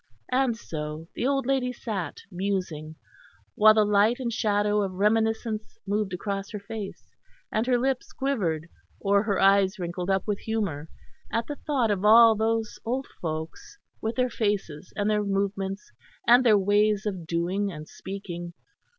And so the old lady sat, musing; while the light and shadow of reminiscence moved across her face; and her lips quivered or her eyes wrinkled up with humour, at the thought of all those old folks with their faces and their movements and their ways of doing and speaking.